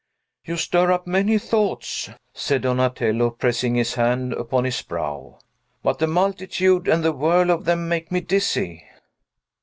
"You stir up many thoughts," said Donatello, pressing his hand upon his brow, "but the multitude and the whirl of them make me dizzy."